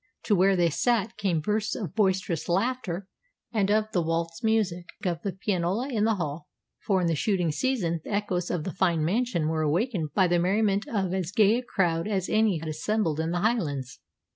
To where they sat came bursts of boisterous laughter and of the waltz music of the pianola in the hall, for in the shooting season the echoes of the fine mansion were awakened by the merriment of as gay a crowd as any who assembled in the Highlands.